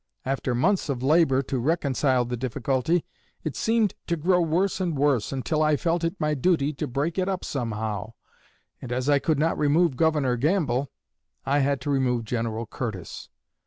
After months of labor to reconcile the difficulty, it seemed to grow worse and worse, until I felt it my duty to break it up somehow, and as I could not remove Governor Gamble, I had to remove General Curtis.